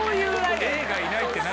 Ａがいないって何？